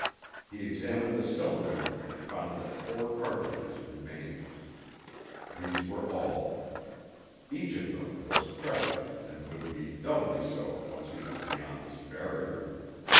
He examined the cylinder and found that four cartridges remained. These were all. Each one of them was precious and would be doubly so once he was beyond this barrier.